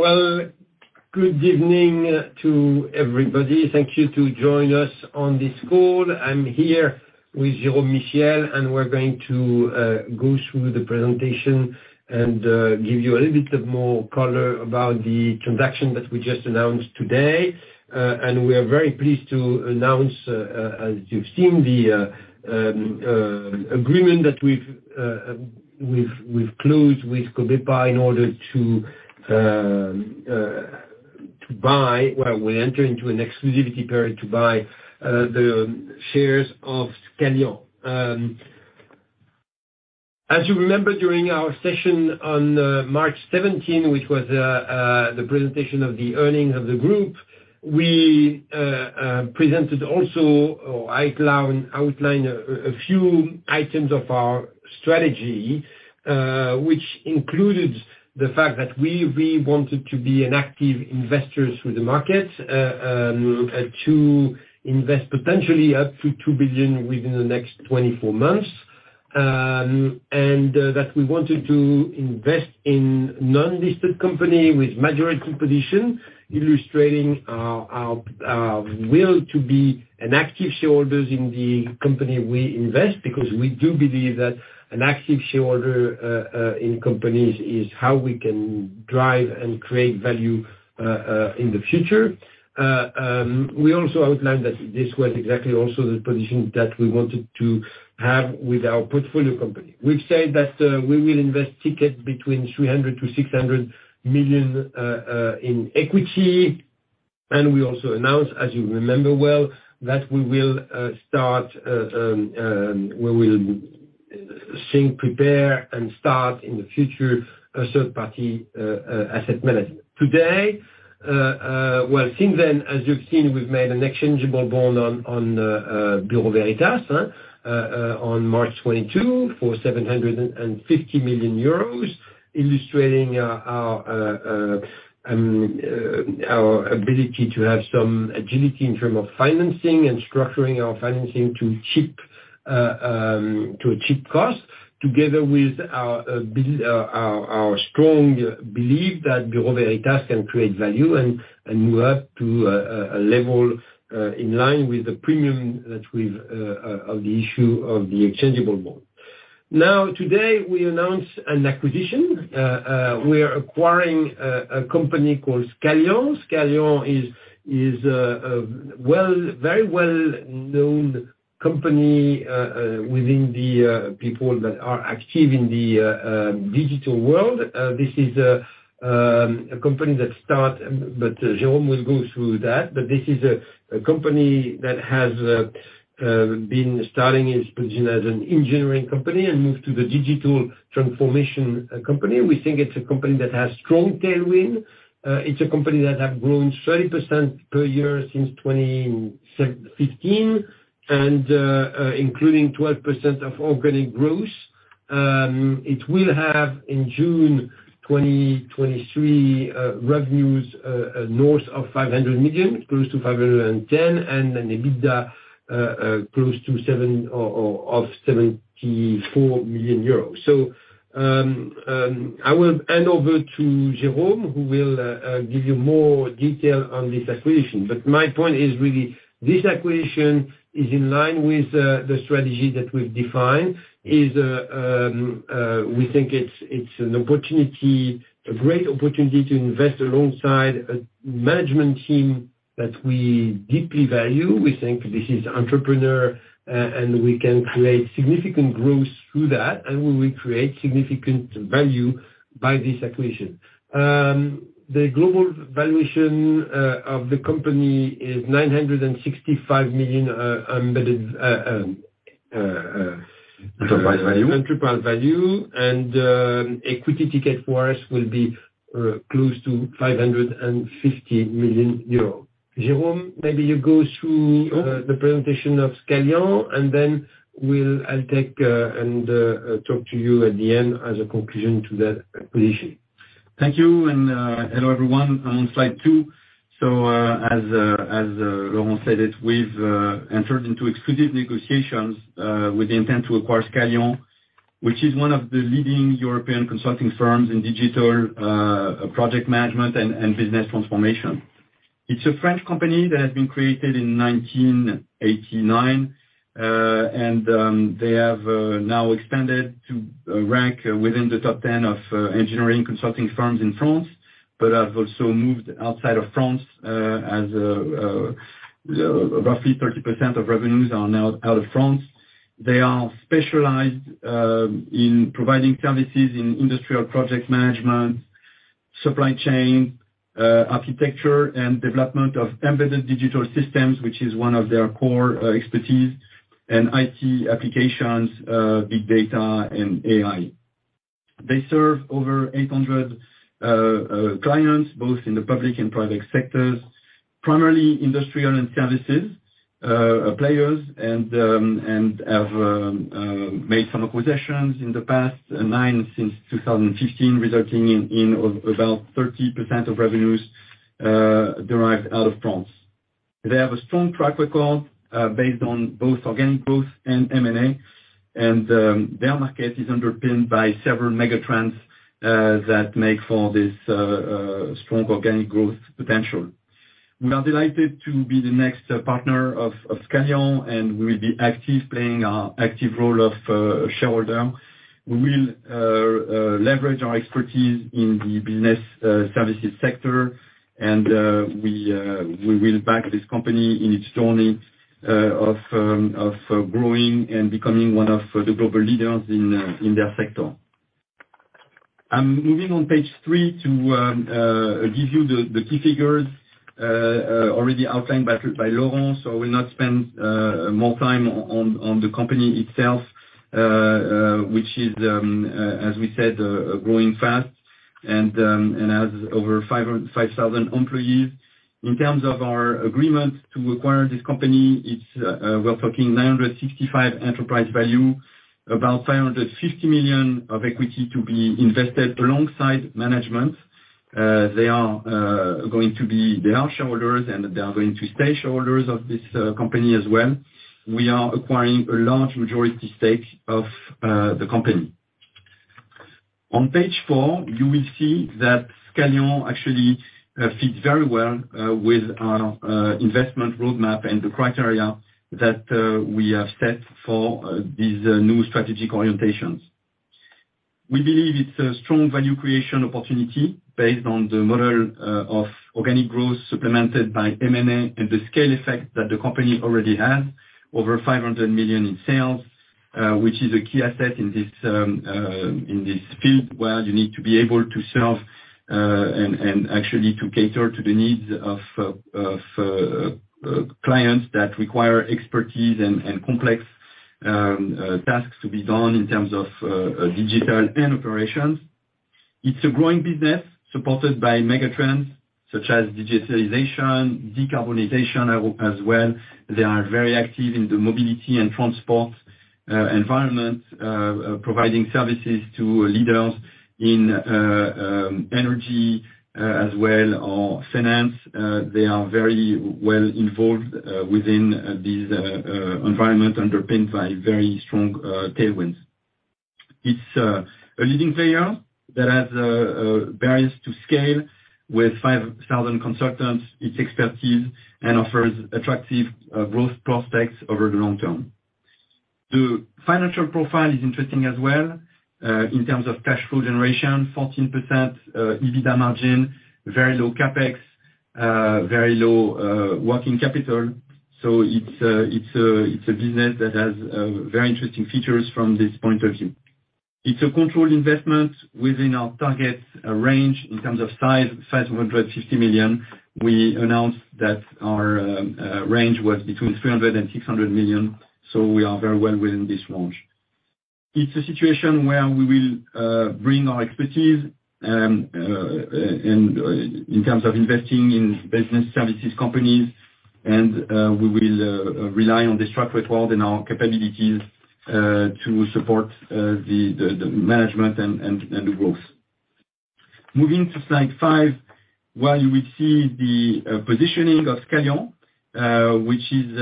Well, good evening to everybody. Thank you to join us on this call. I'm here with Jérôme Michiels, and we're going to go through the presentation and give you a little bit of more color about the transaction that we just announced today. We are very pleased to announce, as you've seen, the agreement that we've closed with Cobepa in order to Well, we enter into an exclusivity period to buy the shares of Scalian. As you remember during our session on March 17, which was the presentation of the earnings of the group, we presented also, or outlined a few items of our strategy, which included the fact that we wanted to be an active investor through the market, to invest potentially up to 2 billion within the next 24 months, and that we wanted to invest in non-listed company with majority position, illustrating our will to be an active shareholders in the company we invest, because we do believe that an active shareholder in companies is how we can drive and create value in the future. We also outlined that this was exactly also the position that we wanted to have with our portfolio company. We've said that, we will invest ticket between 300 million-600 million in equity. We also announced, as you remember well, that we will start, we will think, prepare, and start in the future, a third party, asset management. Today, since then, as you've seen, we've made an exchangeable bond on Bureau Veritas on March 22 for 750 million euros, illustrating our ability to have some agility in term of financing and structuring our financing to cheap cost, together with our strong belief that Bureau Veritas can create value and move up to a level in line with the premium that we've of the issue of the exchangeable bond. Today, we announce an acquisition. We are acquiring a company called Scalian. Scalian is very well known company within the people that are active in the digital world. This is a company that start. Jérôme will go through that. This is a company that has been starting its position as an engineering company and moved to the digital transformation company. We think it's a company that has strong tailwind. It's a company that have grown 30% per year since 2015, and including 12% of organic growth. It will have, in June 2023, revenues north of 500 million, close to 510 million, and an EBITDA of 74 million euros. I will hand over to Jérôme, who will give you more detail on this acquisition. My point is really this acquisition is in line with the strategy that we've defined. Is, we think it's an opportunity, a great opportunity to invest alongside a management team that we deeply value. We think this is entrepreneur, and we can create significant growth through that, and we will create significant value by this acquisition. The global valuation of the company is 965 million embedded. Enterprise value... enterprise value. Equity ticket for us will be close to 550 million euros. Jérôme, maybe you go through the presentation of Scalian, then I'll take and talk to you at the end as a conclusion to that acquisition. Thank you. Hello, everyone. On slide two, as Laurent said it, we've entered into exclusive negotiations with the intent to acquire Scalian, which is one of the leading European consulting firms in digital, project management and business transformation. It's a French company that has been created in 1989, and they have now extended to rank within the top 10 of engineering consulting firms in France, but have also moved outside of France, as roughly 30% of revenues are now out of France. They are specialized in providing services in industrial project management, supply chain, architecture and development of embedded digital systems, which is one of their core expertise in IT applications, big data and AI. They serve over 800 clients, both in the public and private sectors, primarily industrial and services players, and have made some acquisitions in the past, 9 since 2015, resulting in about 30% of revenues derived out of France. They have a strong track record based on both organic growth and M&A, and their market is underpinned by several mega trends that make for this strong organic growth potential. We are delighted to be the next partner of Scalian, and we will be active, playing our active role of shareholder. We will leverage our expertise in the business services sector and we will back this company in its journey of growing and becoming one of the global leaders in their sector. I'm moving on page 3 to give you the key figures already outlined by Laurent, so I will not spend more time on the company itself, which is as we said, growing fast and has over 5,000 employees. In terms of our agreement to acquire this company, we're talking 965 million enterprise value, about 550 million of equity to be invested alongside management. They are going to be... They are shareholders, they are going to stay shareholders of this company as well. We are acquiring a large majority stake of the company. On page 4, you will see that Scalian actually fits very well with our investment roadmap and the criteria that we have set for these new strategic orientations. We believe it's a strong value creation opportunity based on the model of organic growth supplemented by M&A and the scale effect that the company already has, over 500 million in sales, which is a key asset in this field where you need to be able to serve and actually to cater to the needs of clients that require expertise and complex tasks to be done in terms of digital and operations. It's a growing business supported by mega trends such as digitalization, decarbonization as well. They are very active in the mobility and transport environment, providing services to leaders in energy as well, or finance. They are very well involved within these environment underpinned by very strong tailwinds. It's a leading player that has barriers to scale with 5,000 consultants, its expertise, and offers attractive growth prospects over the long term. The financial profile is interesting as well, in terms of cash flow generation, 14% EBITDA margin, very low CapEx, very low working capital. It's a business that has very interesting features from this point of view. It's a controlled investment within our target range in terms of size, 550 million. We announced that our range was between 300 million-600 million. We are very well within this range. It's a situation where we will bring our expertise in terms of investing in business services companies and we will rely on the track record and our capabilities to support the management and the growth. Moving to slide 5, where you will see the positioning of Scalian, which is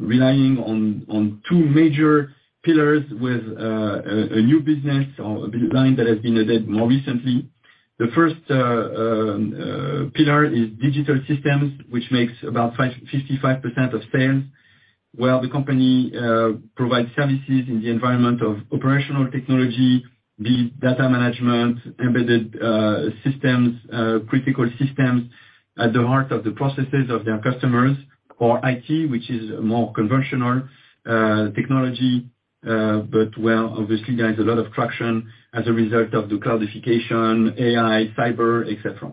relying on two major pillars with a new business or a line that has been added more recently. The first pillar is digital systems, which makes about 55% of sales, where the company provides services in the environment of operational technology, be data management, embedded systems, critical systems at the heart of the processes of their customers, or IT, which is more conventional technology, but where obviously there is a lot of traction as a result of the cloudification, AI, cyber, et cetera.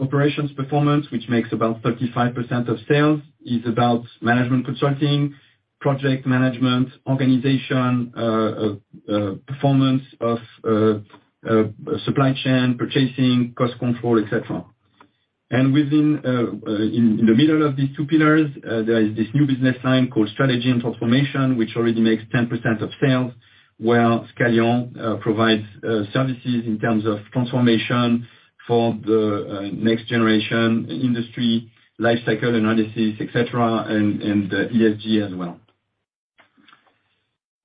Operations performance, which makes about 35% of sales, is about management consulting, project management, organization, performance of supply chain, purchasing, cost control, et cetera. In the middle of these two pillars, there is this new business line called strategy and transformation, which already makes 10% of sales, where Scalian provides services in terms of transformation for the next generation industry, life cycle analysis, et cetera, and ESG as well.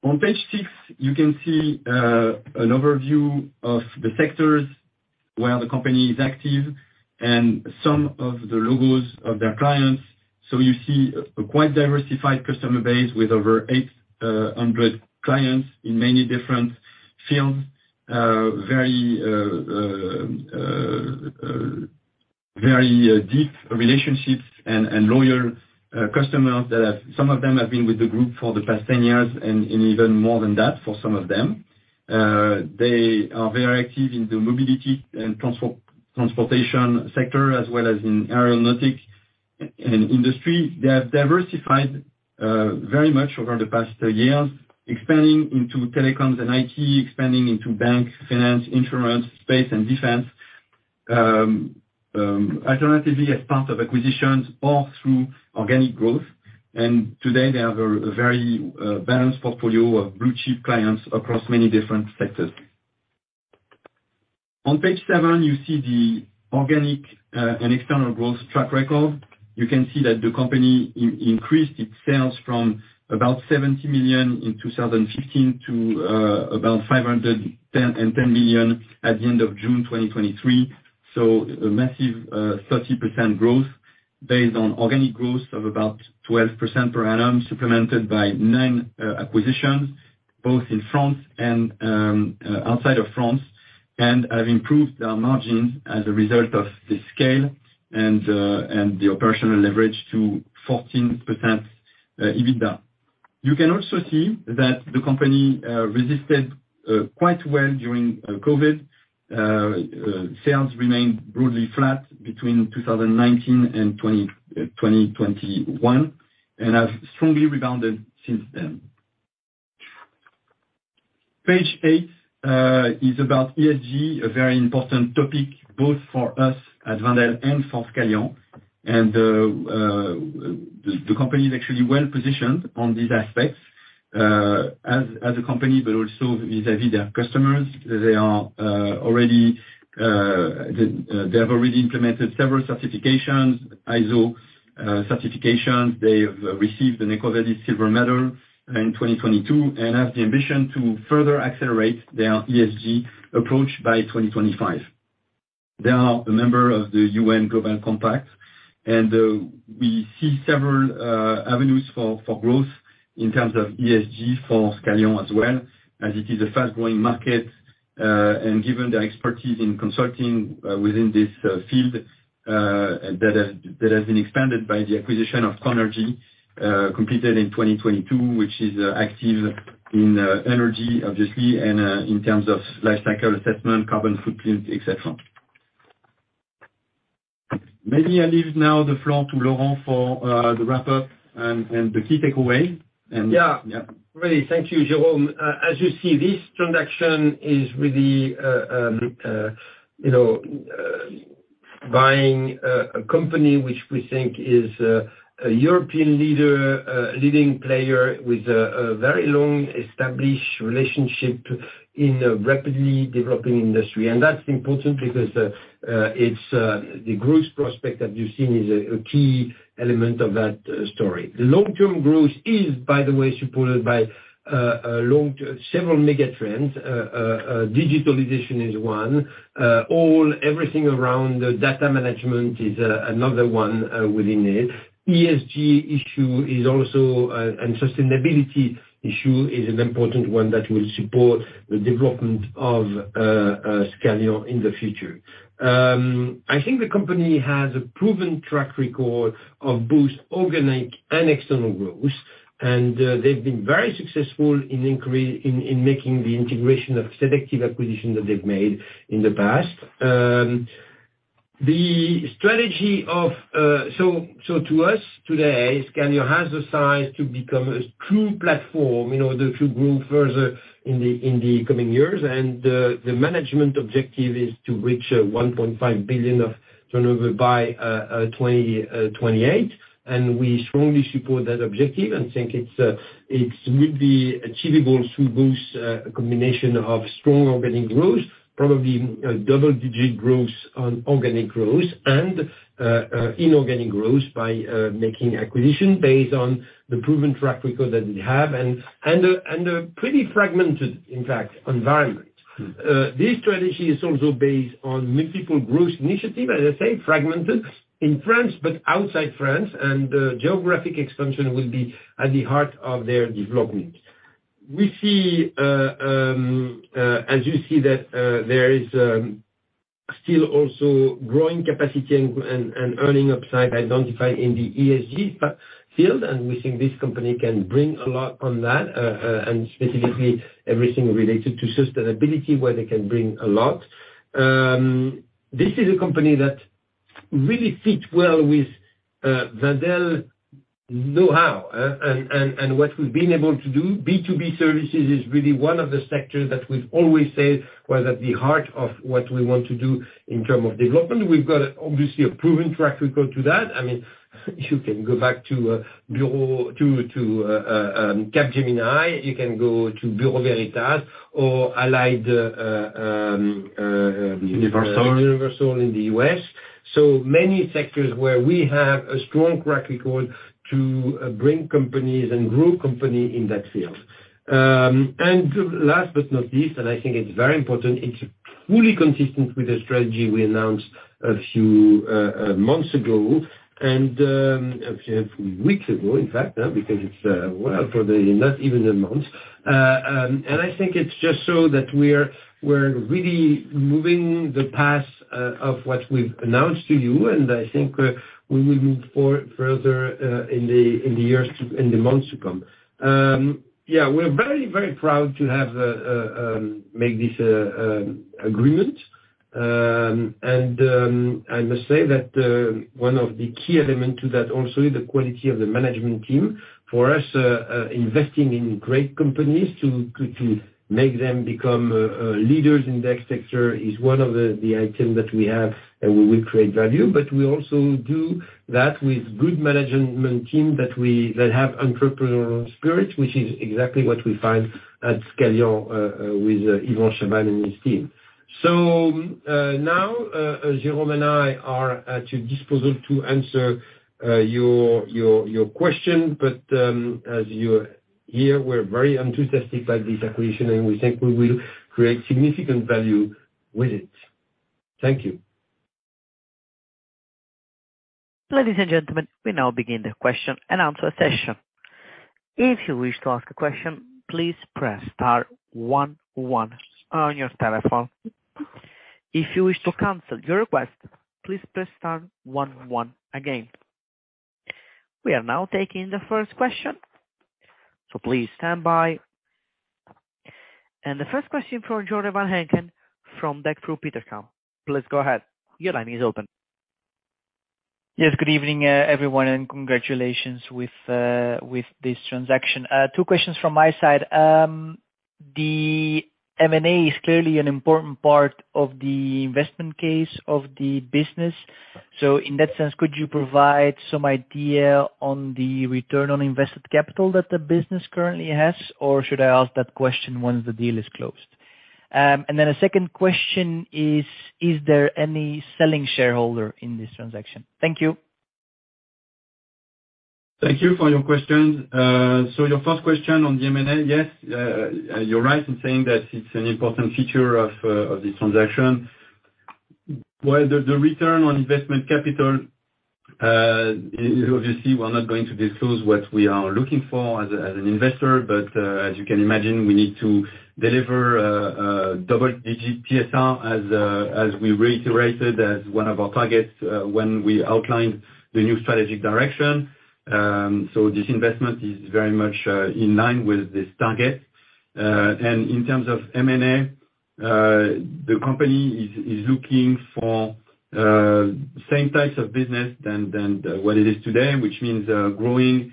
On page 6, you can see an overview of the sectors where the company is active and some of the logos of their clients. You see a quite diversified customer base with over 800 clients in many different fields. Very deep relationships and loyal customers. Some of them have been with the group for the past 10 years and even more than that for some of them. They are very active in the mobility and transportation sector, as well as in aeronautic and industry. They have diversified very much over the past years, expanding into telecoms and IT, expanding into bank, finance, insurance, space and defense, alternatively as part of acquisitions or through organic growth. Today they have a very balanced portfolio of blue-chip clients across many different sectors. On page 7, you see the organic and external growth track record. You can see that the company increased its sales from about 70 million in 2015 to about 510 million at the end of June 2023. A massive 30% growth based on organic growth of about 12% per annum, supplemented by 9 acquisitions, both in France and outside of France, and have improved our margin as a result of the scale and the operational leverage to 14% EBITDA. You can also see that the company resisted quite well during COVID. Sales remained broadly flat between 2019 and 2020, 2021, and have strongly rebounded since then. Page 8 is about ESG, a very important topic both for us at Wendel and for Scalian. The company is actually well-positioned on these aspects as a company, but also vis-à-vis their customers. They are already, they have already implemented several certifications, ISO certifications. They have received an EcoVadis Silver Medal in 2022 and have the ambition to further accelerate their ESG approach by 2025. They are a member of the UN Global Compact. We see several avenues for growth in terms of ESG for Scalian as well, as it is a fast-growing market, and given their expertise in consulting within this field, that has been expanded by the acquisition of Conergy, completed in 2022, which is active in energy, obviously, and in terms of life cycle assessment, carbon footprint, et cetera. Maybe I leave now the floor to Laurent for the wrap-up and the key takeaway. Yeah. Yeah. Really, thank you, Jérôme. As you see, this transaction is really, you know, buying a company which we think is a European leader, leading player with a very long-established relationship in a rapidly developing industry. That's important because it's the growth prospect that you've seen is a key element of that story. The long-term growth is, by the way, supported by several mega trends. Digitalization is one. Everything around data management is another one within IT. ESG issue is also, and sustainability issue is an important one that will support the development of Scalian in the future. I think the company has a proven track record of both organic and external growth, and they've been very successful in making the integration of selective acquisitions that they've made in the past. To us today, Scalian has the size to become a true platform, you know, to grow further in the coming years. The management objective is to reach 1.5 billion of turnover by 2028. We strongly support that objective and think it's achievable through both a combination of strong organic growth, probably double-digit growth on organic growth and inorganic growth by making acquisitions based on the proven track record that we have and a pretty fragmented, in fact, environment. This strategy is also based on multiple growth initiatives, as I say, fragmented in France, but outside France. The geographic expansion will be at the heart of their development. We see, as you see that, there is still also growing capacity and earning upside identified in the ESG field, and we think this company can bring a lot on that. Specifically everything related to sustainability, where they can bring a lot. This is a company that really fits well with Wendel knowhow and what we've been able to do. B2B services is really one of the sectors that we've always said was at the heart of what we want to do in terms of development. We've got, obviously, a proven track record to that. I mean, you can go back to, Bureau, to, Capgemini. You can go to Bureau Veritas or Allied. Universal. Universal in the U.S. Many sectors where we have a strong track record to bring companies and grow company in that field. Last but not least, and I think it's very important, it's fully consistent with the strategy we announced a few months ago, and actually a few weeks ago, in fact, because it's well, probably not even a month. I think it's just so that we're really moving the path of what we've announced to you, and I think we will move further in the months to come. Yeah, we're very, very proud to have make this agreement. I must say that one of the key element to that also is the quality of the management team. For us, investing in great companies to make them become leaders in their sector is one of the item that we have, and we will create value. We also do that with good management team that have entrepreneurial spirit, which is exactly what we find at Scalian with Yvon Cheniaux and his team. Now, Jérôme and I are at your disposal to answer your question. As you're here, we're very enthusiastic about this acquisition, and we think we will create significant value with it. Thank you. Ladies and gentlemen, we now begin the question and answer session. If you wish to ask a question, please press star one one on your telephone. If you wish to cancel your request, please press star one one again. We are now taking the first question, please stand by. The first question from Joren Van Aken from Degroof Petercam. Please go ahead. Your line is open. Yes, good evening, everyone, and congratulations with this transaction. Two questions from my side. The M&A is clearly an important part of the investment case of the business. In that sense, could you provide some idea on the return on invested capital that the business currently has, or should I ask that question once the deal is closed? A second question is there any selling shareholder in this transaction? Thank you. Thank you for your questions. Your first question on the M&A. Yes, you're right in saying that it's an important feature of this transaction. Well, the return on investment capital, obviously we're not going to disclose what we are looking for as an investor. As you can imagine, we need to deliver double-digit TSR as we reiterated as one of our targets when we outlined the new strategic direction. This investment is very much in line with this target. In terms of M&A, the company is looking for same types of business than what it is today, which means growing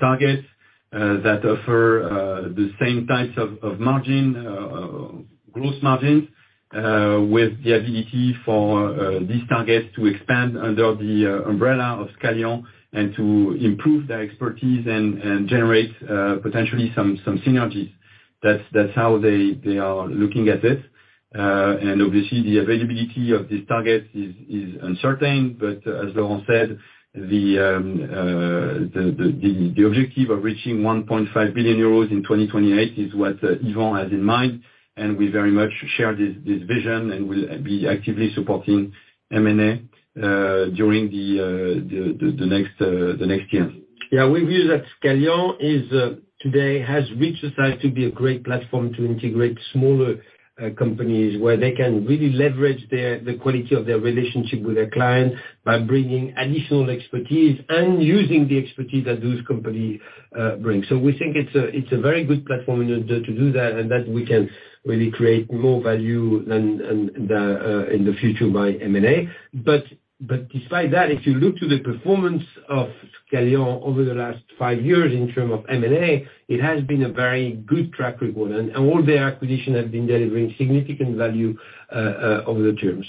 targets that offer the same types of margin gross margins with the ability for these targets to expand under the umbrella of Scalian and to improve their expertise and generate potentially some synergies. That's how they are looking at it. Obviously, the availability of these targets is uncertain. As Laurent said, the objective of reaching 1.5 billion euros in 2028 is what Yvon has in mind. We very much share this vision and will be actively supporting M&A during the next years. We view that Scalian is today has reached a size to be a great platform to integrate smaller companies where they can really leverage their, the quality of their relationship with their clients by bringing additional expertise and using the expertise that those company bring. We think it's a very good platform in order to do that, and that we can really create more value than the in the future by M&A. Despite that, if you look to the performance of Scalian over the last five years in term of M&A, it has been a very good track record. All the acquisition have been delivering significant value over the term.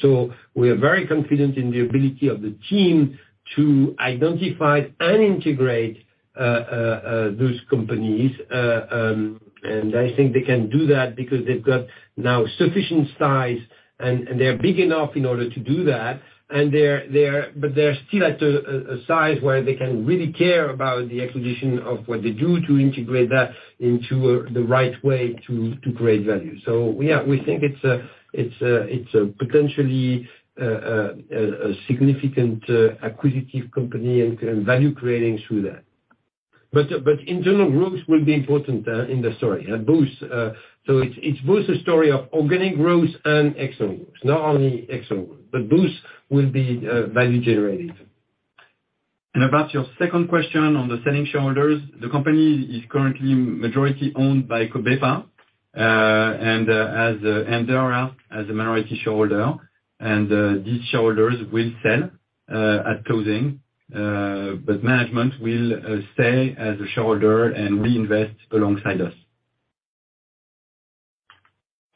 We are very confident in the ability of the team to identify and integrate those companies. And I think they can do that because they've got now sufficient size and they're big enough in order to do that. They're, but they're still at a size where they can really care about the acquisition of what they do to integrate that into the right way to create value. Yeah, we think it's a potentially a significant acquisitive company and can value creating through that. Internal growth will be important in the story. Both, so it's both a story of organic growth and external growth. Not only external growth, but both will be value generating. About your second question on the selling shareholders, the company is currently majority owned by Cobepa, and, as Andera as a minority shareholder, and, these shareholders will sell, at closing. Management will, stay as a shareholder and reinvest alongside us.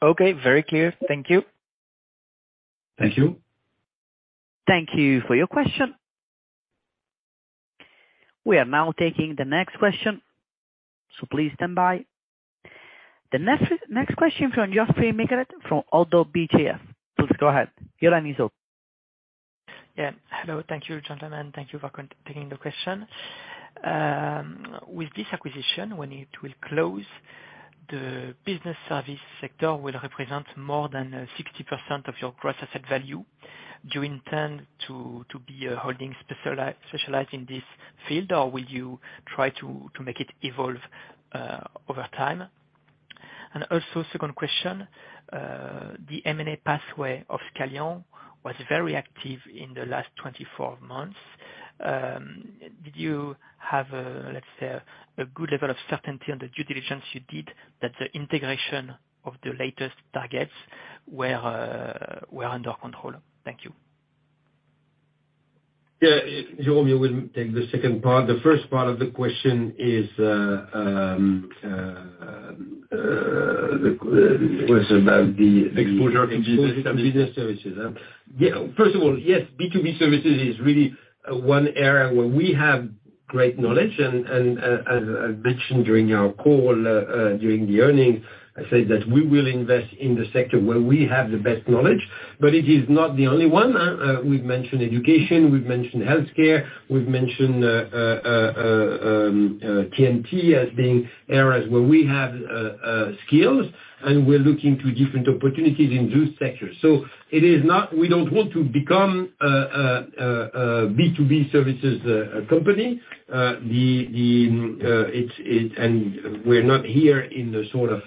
Okay, very clear. Thank you. Thank you. Thank you for your question. We are now taking the next question. Please stand by. The next question from Geoffroy Michalet from Oddo BHF. Please go ahead. Your line is open. Hello. Thank you, gentlemen. Thank you for taking the question. With this acquisition, when it will close, the business service sector will represent more than 60% of your process asset value. Do you intend to be a holding specialized in this field, or will you try to make it evolve over time? Also, second question, the M&A pathway of Scalian was very active in the last 24 months. Did you have a, let's say, a good level of certainty on the due diligence you did that the integration of the latest targets were under control? Thank you. Yeah, Jérôme, you will take the second part. The first part of the question is. Was about the. Exposure of business services, huh? Yeah. First of all, yes, B2B services is really one area where we have great knowledge and, as I mentioned during our call, during the earnings, I said that we will invest in the sector where we have the best knowledge, but it is not the only one. We've mentioned education, we've mentioned healthcare, we've mentioned TMT as being areas where we have skills, and we're looking to different opportunities in those sectors. We don't want to become B2B services company. We're not here in the sort of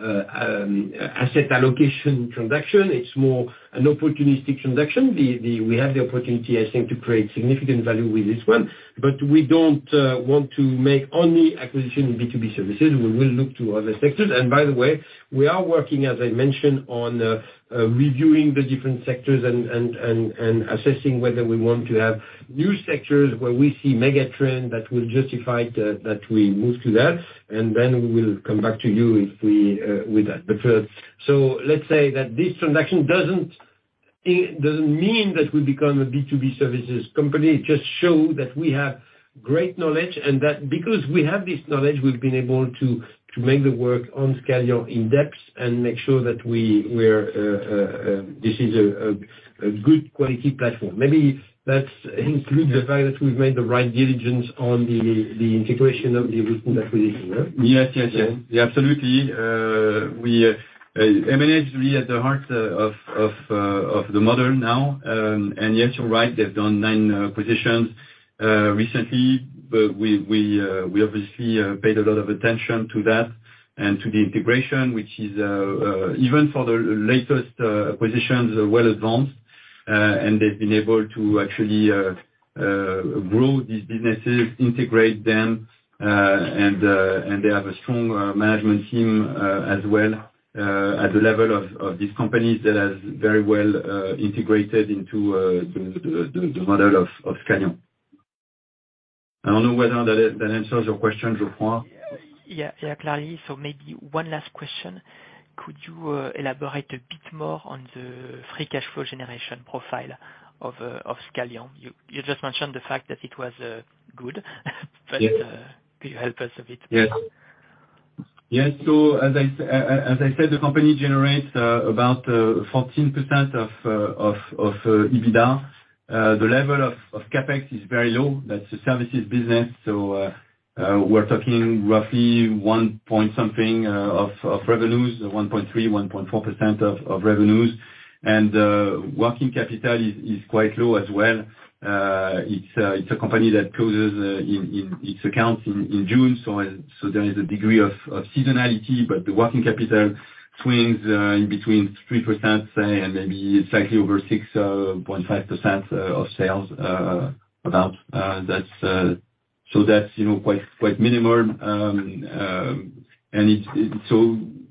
asset allocation transaction. It's more an opportunistic transaction. The We have the opportunity, I think, to create significant value with this one, but we don't want to make only acquisition B2B services. We will look to other sectors. By the way, we are working, as I mentioned, on reviewing the different sectors and assessing whether we want to have new sectors where we see mega-trend that will justify that we move to that, we will come back to you if we with that. Let's say that this transaction doesn't mean that we become a B2B services company. It just show that we have great knowledge and that because we have this knowledge, we've been able to make the work on Scalian in-depth and make sure that we're a good quality platform. Maybe that's includes the fact that we've made the right diligence on the integration of the recent acquisition, huh? Yes, yes. Absolutely. We M&A is really at the heart of the model now. Yes, you're right. They've done 9 acquisitions recently, but we obviously paid a lot of attention to that and to the integration, which is even for the latest acquisitions are well advanced. They've been able to actually grow these businesses, integrate them, and they have a strong management team as well at the level of these companies that has very well integrated into the model of Scalian. I don't know whether that answers your question, Geoffroy. Yeah. Clearly. Maybe one last question. Could you elaborate a bit more on the free cash flow generation profile of Scalian? You just mentioned the fact that it was good, but. Yes. Could you help us a bit? Yes. As I said, the company generates about 14% of EBITDA. The level of CapEx is very low. That's a services business, so we're talking roughly 1 point something of revenues, 1.3%, 1.4% of revenues. Working capital is quite low as well. It's a company that closes in its accounts in June, so there is a degree of seasonality, but the working capital swings in between 3%, say, and maybe slightly over 6.5% of sales about. That's so that's, you know, quite minimal. And it's...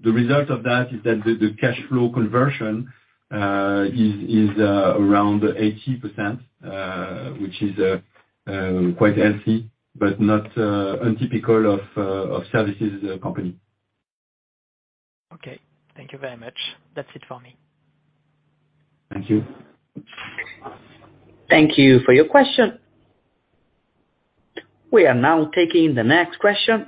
The result of that is that the cash flow conversion is around 80%, which is quite healthy, but not untypical of services company. Okay. Thank you very much. That's it for me. Thank you. Thank you for your question. We are now taking the next question.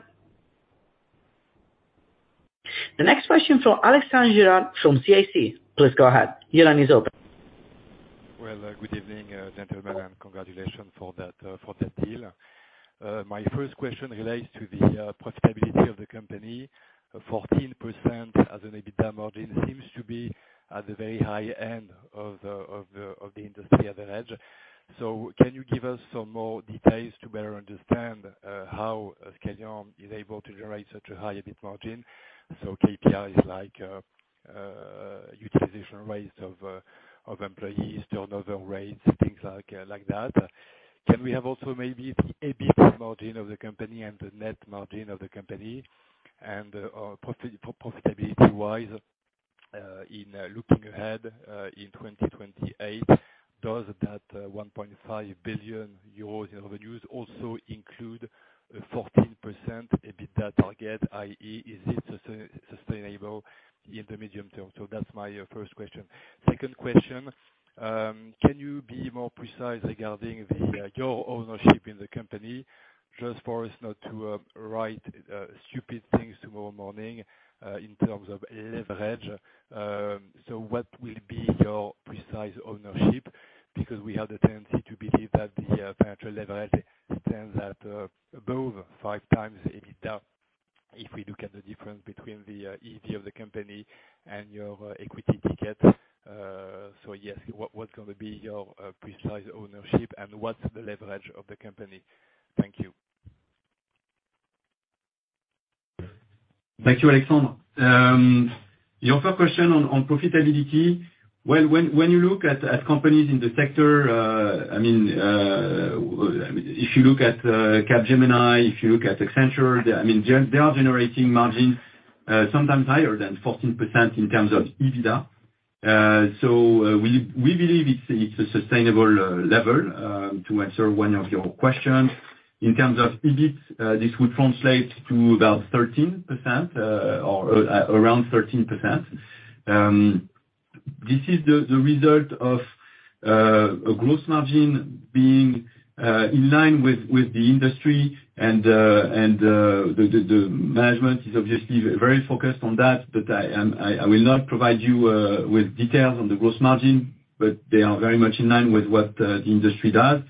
The next question from Alexandre Gérard from CIC. Please go ahead. Your line is open. Well, good evening, gentlemen, and congratulations for that, for that deal. My first question relates to the profitability of the company. 14% as an EBITDA margin seems to be at the very high end of the, of the, of the industry average. Can you give us some more details to better understand how Scalian is able to generate such a high EBIT margin? KPIs like utilization rates of employees, turnover rates, things like that. Can we have also maybe EBIT margin of the company and the net margin of the company? And profitability-wise, in looking ahead, in 2028, does that 1.5 billion euros in revenues also include a 14% EBITDA target? I.e., is it sustainable in the medium term? That's my first question. Second question, can you be more precise regarding your ownership in the company, just for us not to write stupid things tomorrow morning, in terms of leverage? What will be your precise ownership? Because we have the tendency to believe that the financial leverage stands at above 5 times EBITDA if we look at the difference between the EV of the company and your equity ticket. Yes, what's gonna be your precise ownership, and what's the leverage of the company? Thank you. Thank you, Alexandre. Your first question on profitability. Well, when you look at companies in the sector, I mean, if you look at Capgemini, if you look at Accenture, I mean, they are generating margins sometimes higher than 14% in terms of EBITDA. We believe it's a sustainable level to answer one of your questions. In terms of EBIT, this would translate to about 13% or around 13%. This is the result of a gross margin being in line with the industry and the management is obviously very focused on that. I will not provide you with details on the gross margin, but they are very much in line with what the industry does.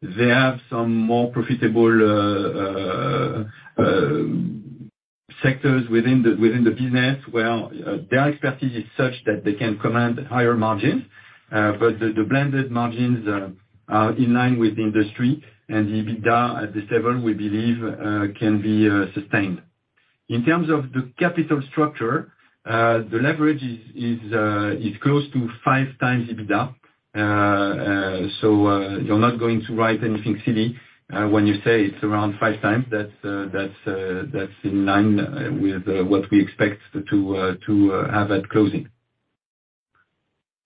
They have some more profitable sectors within the business where their expertise is such that they can command higher margins. The blended margins are in line with the industry. The EBITDA at this level, we believe, can be sustained. In terms of the capital structure, the leverage is close to 5x EBITDA. You're not going to write anything silly, when you say it's around 5 times. That's in line with what we expect to have at closing.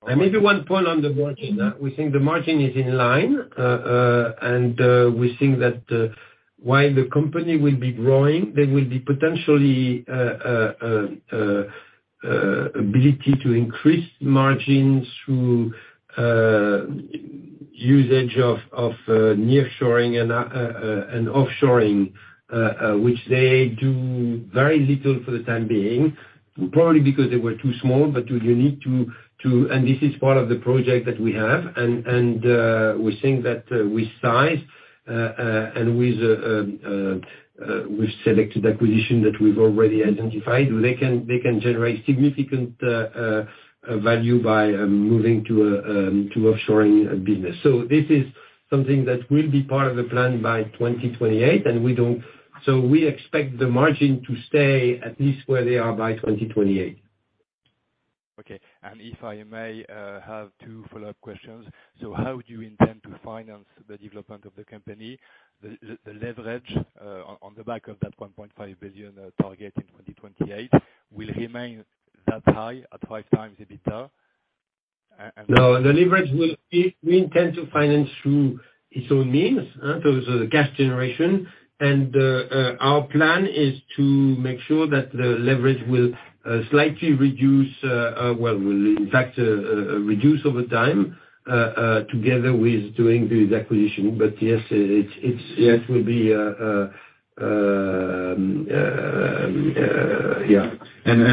Maybe one point on the margin. We think the margin is in line. And we think that while the company will be growing, there will be potentially ability to increase margins through usage of nearshoring and offshoring, which they do very little for the time being, probably because they were too small. You need to and this is part of the project that we have, and we think that with size and with selected acquisition that we've already identified, they can generate significant value by moving to offshoring business. This is something that will be part of the plan by 2028. We don't... We expect the margin to stay at least where they are by 2028. Okay. If I may, have two follow-up questions. How do you intend to finance the development of the company? The leverage on the back of that 1.5 billion target in 2028 will remain that high at 5 times EBITDA? No, the leverage will be we intend to finance through its own means, so the cash generation. Our plan is to make sure that the leverage will, well, in fact reduce over time together with doing the acquisition. Yes, it's... Yes. It will be, yeah.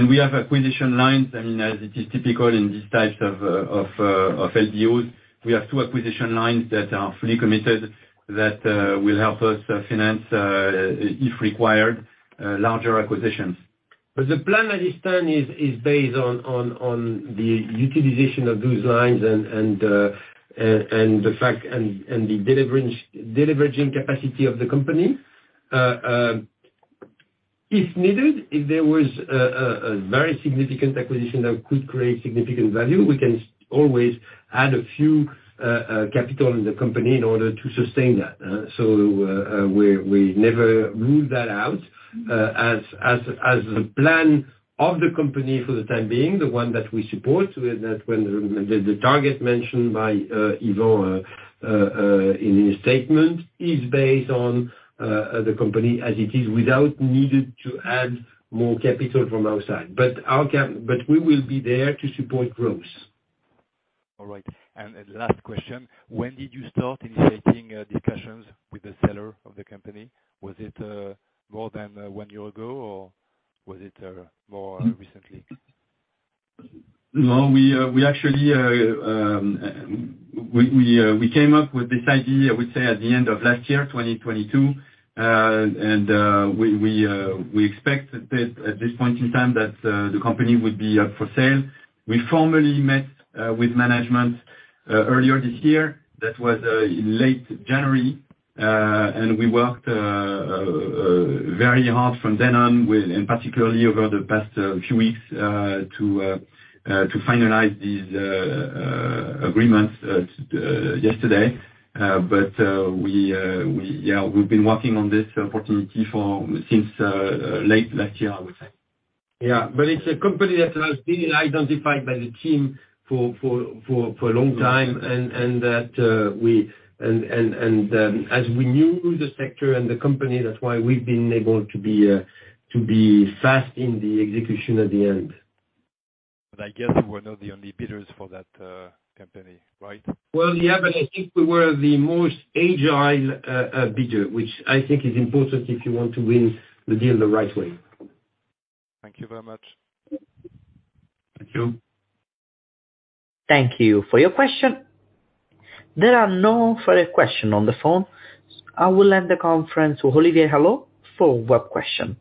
We have acquisition lines. I mean, as it is typical in these types of LBOs, we have 2 acquisition lines that are fully committed that will help us finance if required larger acquisitions. The plan at this time is based on the utilization of those lines and the fact and the deleveraging capacity of the company. If needed, if there was a very significant acquisition that could create significant value, we can always add a few capital in the company in order to sustain that. We never ruled that out as the plan of the company for the time being, the one that we support, that when the target mentioned by Yvon in his statement, is based on the company as it is without needed to add more capital from outside. We will be there to support growth. All right. Last question, when did you start initiating discussions with the seller of the company? Was it more than 1 year ago, or was it more recently? No, we actually, we came up with this idea, I would say, at the end of last year, 2022. We expect that at this point in time that the company would be up for sale. We formally met with management earlier this year. That was in late January. We worked very hard from then on with, and particularly over the past few weeks, to finalize these agreements yesterday. We, yeah, we've been working on this opportunity for since late last year, I would say. It's a company that has been identified by the team for a long time. As we knew the sector and the company, that's why we've been able to be fast in the execution at the end. I guess you were not the only bidders for that company, right? Yeah, I think we were the most agile bidder, which I think is important if you want to win the deal the right way. Thank you very much. Thank you. Thank you for your question. There are no further question on the phone. I will hand the conference to Olivier Allot for web question.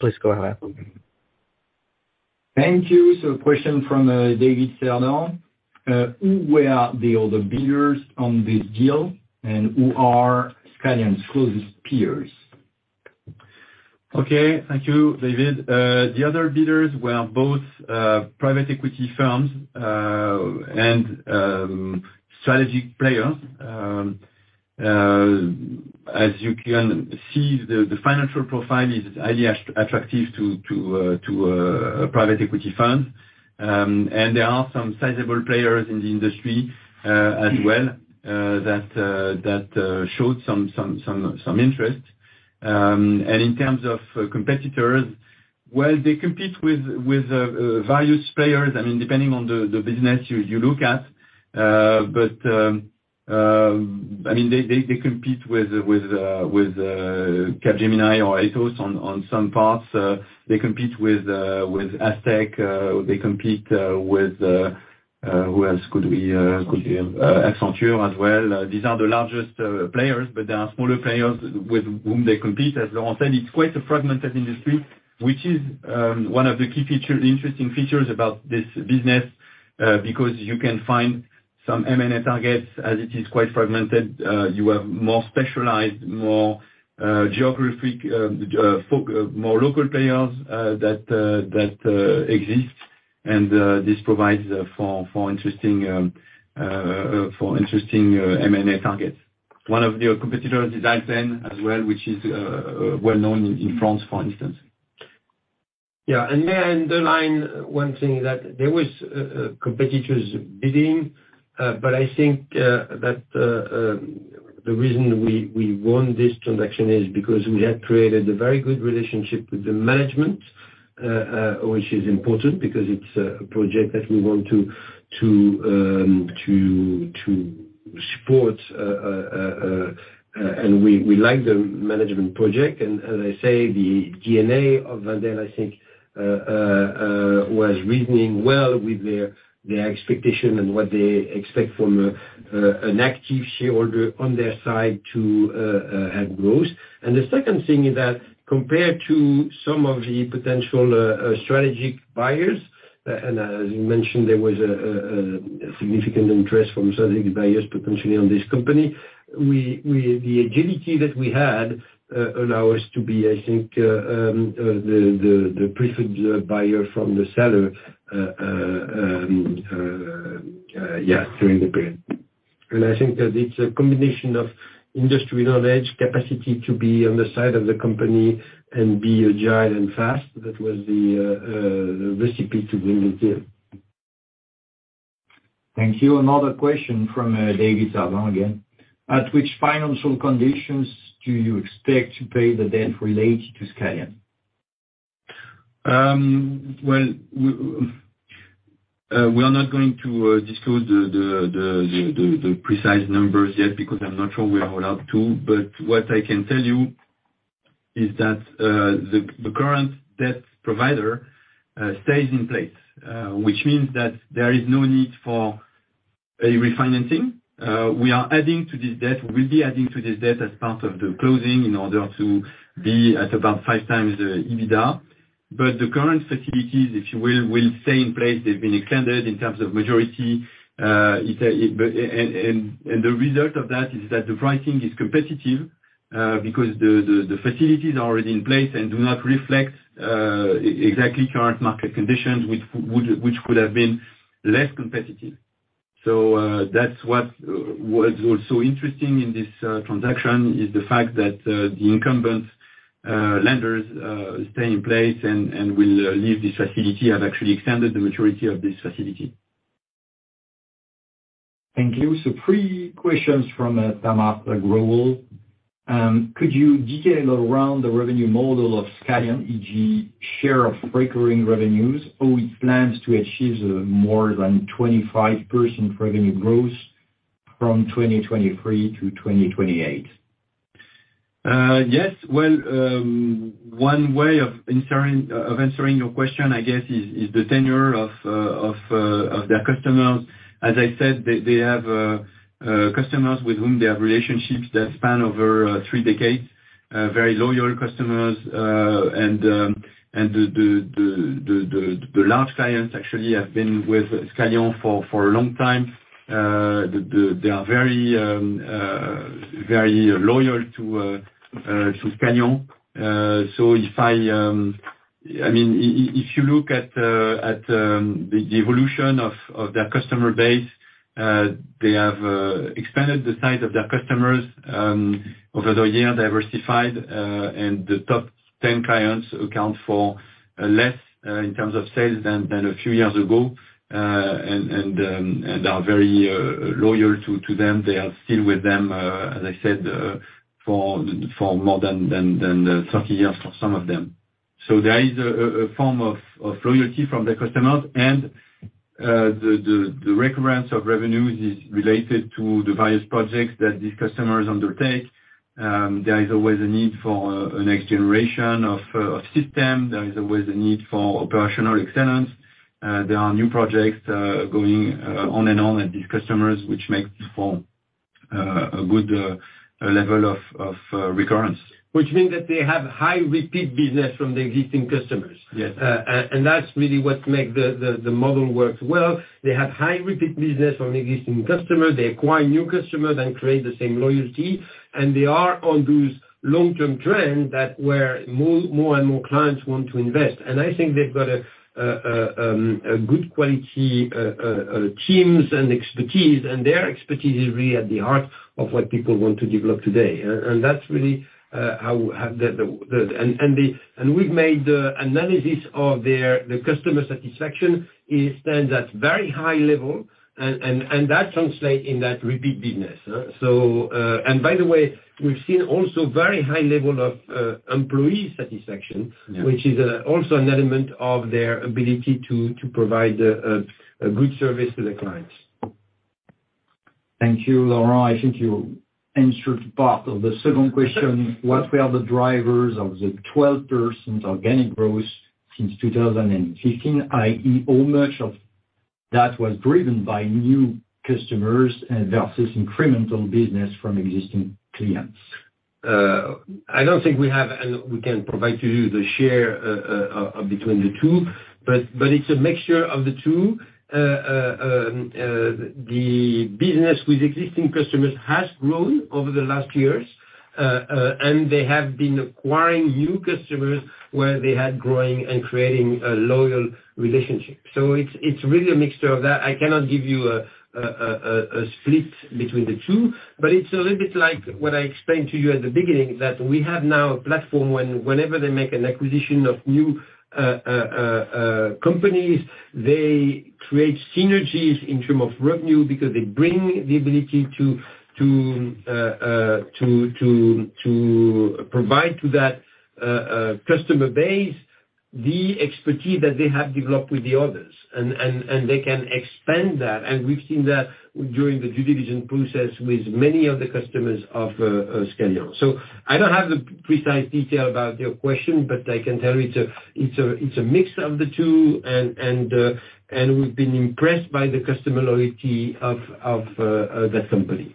Please go ahead. Thank you. Question from David Cerdan. Who were the other bidders on this deal, and who are Scalian's closest peers? Okay, thank you, David. The other bidders were both private equity firms and strategy players. As you can see, the financial profile is highly attractive to private equity firms. There are some sizable players in the industry as well that showed some interest. In terms of competitors, well, they compete with various players, I mean, depending on the business you look at. I mean, they compete with Capgemini or Atos on some parts. They compete with Akka. They compete with who else could we Accenture as well. These are the largest players, but there are smaller players with whom they compete, as Laurent said. It's quite a fragmented industry, which is one of the key feature, interesting features about this business, because you can find some M&A targets, as it is quite fragmented. You have more specialized, more geographic, more local players, that exist, and this provides for interesting M&A targets. One of your competitors is Well, we are not going to disclose the precise numbers yet because I'm not sure we are allowed to. What I can tell you is that the current debt provider stays in place, which means that there is no need for a refinancing. We are adding to this debt, we'll be adding to this debt as part of the closing in order to be at about 5x EBITDA. The current facilities, if you will stay in place. They've been extended in terms of maturity. The result of that is that the pricing is competitive because the facilities are already in place and do not reflect exactly current market conditions which would, which could have been less competitive. That's what was also interesting in this transaction, is the fact that the incumbent lenders stay in place and will leave this facility, have actually extended the maturity of this facility. Thank you. Three questions from Tamar Agarwal. Could you detail around the revenue model of Scalian, e.g., share of recurring revenues, how it plans to achieve more than 25% revenue growth from 2023 to 2028? Yes. Well, one way of answering, of answering your question, I guess, is the tenure of their customers. As I said, they have customers with whom they have relationships that span over three decades, very loyal customers. The large clients actually have been with Scalian for a long time. They are very loyal to Scalian. If I... I mean, if you look at the evolution of their customer base, they have expanded the size of their customers, over the years, diversified, and the top 10 clients account for less, in terms of sales than a few years ago, and are very loyal to them. They are still with them, as I said, for more than 30 years for some of them. So there is a form of loyalty from the customers and the recurrence of revenues is related to the various projects that these customers undertake. There is always a need for a next generation of system. There is always a need for operational excellence. There are new projects, going on and on at these customers which makes. A good level of recurrence. Which means that they have high repeat business from the existing customers. Yes. That's really what make the model work well. They have high repeat business from existing customers. They acquire new customers and create the same loyalty, and they are on those long-term trends that where more, more and more clients want to invest. I think they've got a good quality teams and expertise, and their expertise is really at the heart of what people want to develop today. That's really how the... We've made the analysis of their customer satisfaction is then that very high level and that translate in that repeat business, so... By the way, we've seen also very high level of employee satisfaction- Yeah. Which is also an element of their ability to provide a good service to the clients. Thank you, Laurent. I think you answered part of the second question. Okay. What were the drivers of the 12% organic growth since 2015, i.e. how much of that was driven by new customers versus incremental business from existing clients? I don't think we can provide to you the share of between the two, but it's a mixture of the two. The business with existing customers has grown over the last years and they have been acquiring new customers where they had growing and creating a loyal relationship. It's really a mixture of that. I cannot give you a split between the two, but it's a little bit like what I explained to you at the beginning, that we have now a platform when whenever they make an acquisition of new companies, they create synergies in term of revenue because they bring the ability to provide to that customer base the expertise that they have developed with the others. They can expand that, and we've seen that during the due diligence process with many of the customers of Scalian. I don't have the precise detail about your question, but I can tell you it's a mix of the two and we've been impressed by the customer loyalty of that company.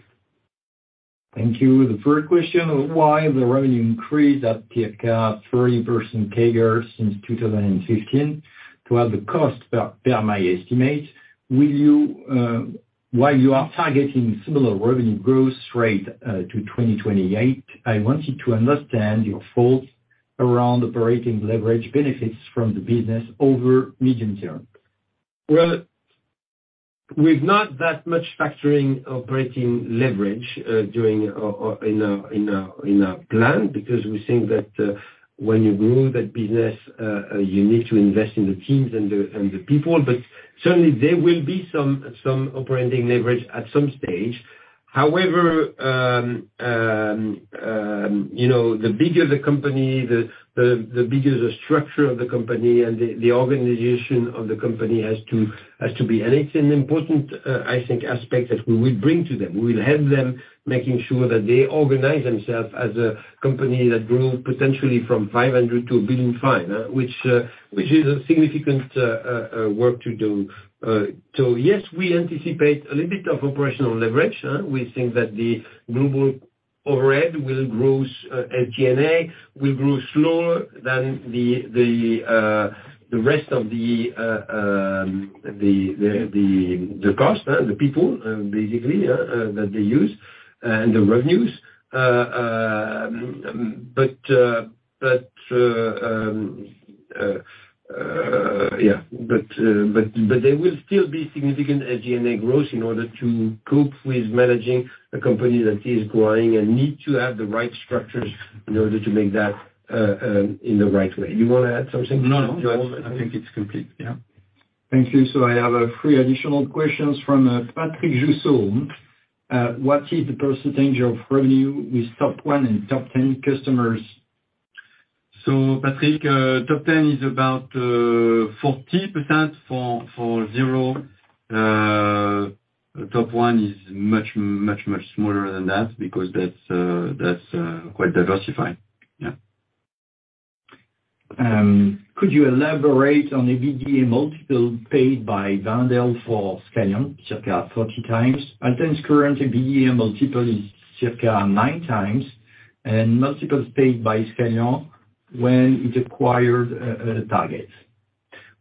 Thank you. The third question, why the revenue increased at circa 30% CAGR since 2015 to have the cost per my estimate? While you are targeting similar revenue growth rate to 2028, I want you to understand your thoughts around operating leverage benefits from the business over medium term. Well, we've not that much factoring operating leverage during or in our plan, because we think that when you grow that business, you need to invest in the teams and the people. Certainly there will be some operating leverage at some stage. However, you know, the bigger the company, the bigger the structure of the company and the organization of the company has to be. It's an important, I think, aspect that we will bring to them. We will help them making sure that they organize themselves as a company that grew potentially from 500 to 1 billion fine, which is a significant work to do. Yes, we anticipate a little bit of operational leverage. We think that the global overhead will grow at G&A, will grow slower than the rest of the cost, the people, basically, that they use and the revenues. There will still be significant G&A growth in order to cope with managing a company that is growing and need to have the right structures in order to make that in the right way. You wanna add something, Georges? No, no. I think it's complete. Yeah. Thank you. I have three additional questions from Patrick Jousset. What is the % of revenue with top 1 and top 10 customers? Patrick, top 10 is about 40% for Zero. Top 1 is much smaller than that because that's quite diversified. Yeah. Could you elaborate on the EBITDA multiple paid by Wendel for Scalian, circa 13x? Alten's current EBITDA multiple is circa 9x, multiples paid by Scalian when it acquired Target.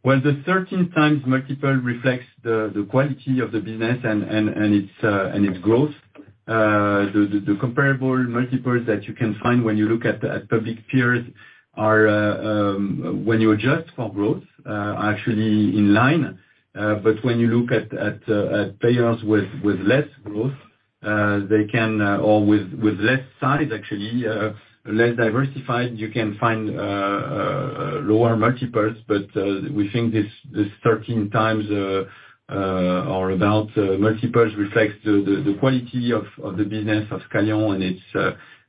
The 13x multiple reflects the quality of the business and its growth. The comparable multiples that you can find when you look at public peers are, when you adjust for growth, are actually in line. When you look at players with less growth, they can, or with less size actually, less diversified, you can find lower multiples. We think this 13x or about multiples reflects the quality of the business of Scalian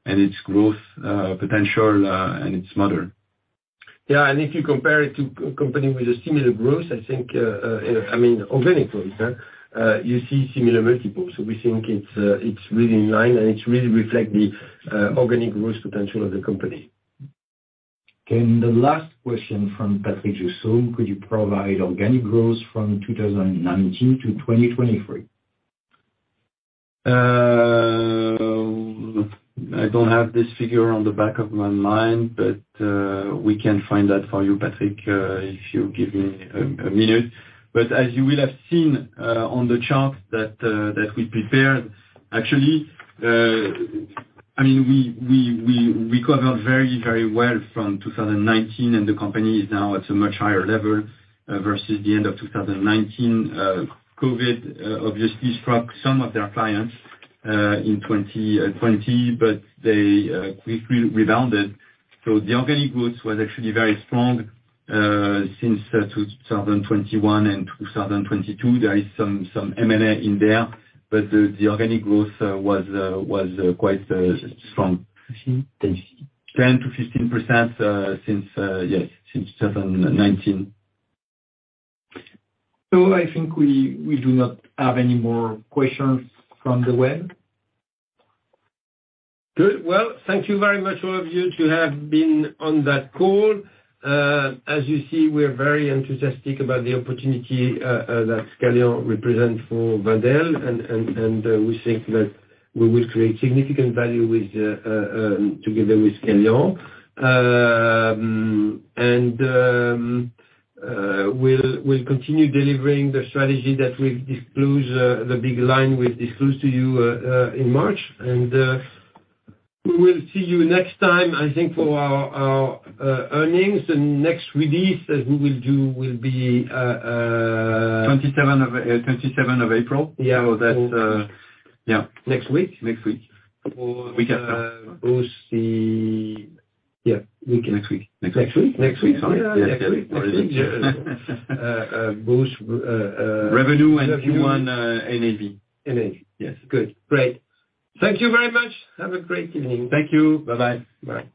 and its growth potential and its model. And if you compare it to company with a similar growth, I think, I mean, organic growth, you see similar multiples. We think it's really in line, and it really reflect the organic growth potential of the company. The last question from Patrick Jousset: Could you provide organic growth from 2019 to 2023? I don't have this figure on the back of my mind, but we can find that for you, Patrick, if you give me a minute. As you will have seen, on the chart that we prepared, actually, I mean, we recovered very, very well from 2019, and the company is now at a much higher level versus the end of 2019. COVID obviously struck some of their clients in 2020, but they quickly rebounded. The organic growth was actually very strong since 2021 and 2022. There is some M&A in there, but the organic growth was quite strong. 15, 10, 15. 10%-15% since, yes, since 2019. I think we do not have any more questions from the web. Good. Well, thank you very much all of you who have been on that call. As you see, we're very enthusiastic about the opportunity that Scalian represent for Wendel, and we think that we will create significant value with together with Scalian. We'll continue delivering the strategy that we've disclosed, the big line we've disclosed to you in March. We will see you next time, I think, for our earnings. The next release that we will do will be. 27 of April. Yeah. That's, yeah. Next week. Next week. Week after. Yeah. Weekend. Next week. Next week? Next week. Sorry. Yeah. Yeah. Next week. Yeah. Both. Revenue and Q1, NAV. NAV. Yes. Good. Great. Thank you very much. Have a great evening. Thank you. Bye-bye. Bye.